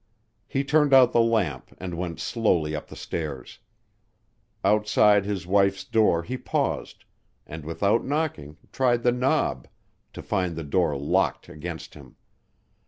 He turned out the lamp and went slowly up the stairs. Outside his wife's door he paused, and, without knocking, tried the knob to find the door locked against him.